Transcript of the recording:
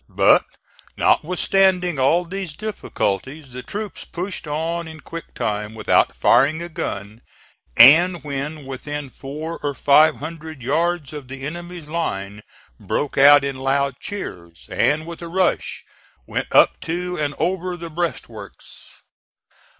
But, notwithstanding all these difficulties, the troops pushed on in quick time without firing a gun, and when within four or five hundred yards of the enemy's line broke out in loud cheers, and with a rush went up to and over the breastworks.